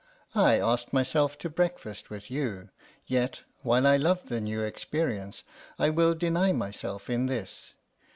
I asked myself to breakfast with you, yet, while I love the new experience, I will deny myself in this.